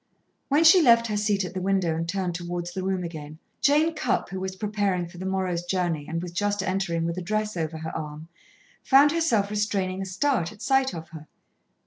When she left her seat at the window and turned towards the room again, Jane Cupp, who was preparing for the morrow's journey and was just entering with a dress over her arm, found herself restraining a start at sight of her.